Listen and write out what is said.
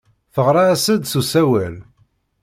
Teɣra-as-d s usawal.